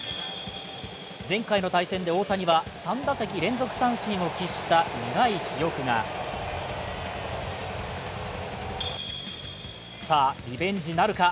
前回の対戦で大谷は３打席連続三振を喫した苦い記憶がさあ、リベンジなるか。